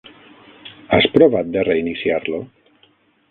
Has provat de reiniciar-lo?